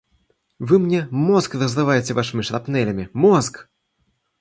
Вы мне мозг разрываете вашими шрапнелями, мозг!